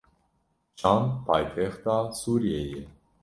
Şam paytexta Sûriyê ye.